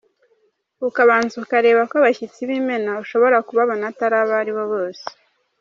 Ukabanza ukareba ko abashyitsi b’imena ushobora kubabona atari abari bo bose.